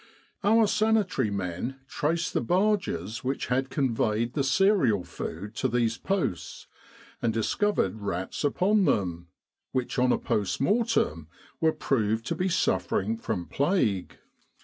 Our Sanitary men traced the barges which had con 190 Epidemic Diseases veyed the cereal food to these posts, and discovered rats upon them, which on a post mortem, were proved to be suffering from plague.